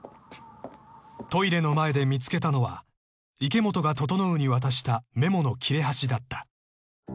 ［トイレの前で見つけたのは池本が整に渡したメモの切れ端だった］